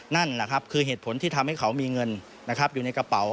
นั่นแหละครับคือเหตุผลที่ทำให้เขามีเงินนะครับอยู่ในกระเป๋า